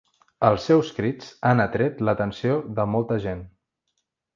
Els seus crits han atret l'atenció de molta gent.